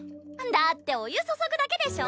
だってお湯注ぐだけでしょ？